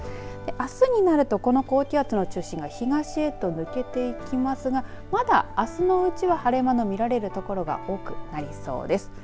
あすになると高気圧の中心が東へと抜けていきますがあすのうちは、晴れ間の見られる所が多くなりそうです。